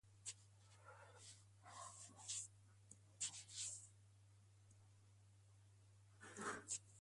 Its goal was to unite Catholics and Protestants and make Ireland an independent republic.